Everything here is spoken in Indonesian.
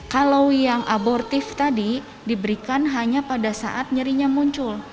kalau yang abortif tadi diberikan hanya pada saat nyerinya muncul